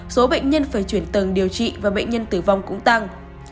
số bệnh nhân phải chuyển tầng điều trị và bệnh nhân tử vong cũng tăng